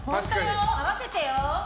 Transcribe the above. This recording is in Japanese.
合わせてよ！